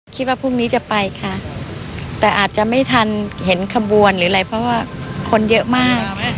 คิดว่าพรุ่งนี้จะไปค่ะแต่อาจจะไม่ทันเห็นขบวนหรืออะไรเพราะว่าคนเยอะมาก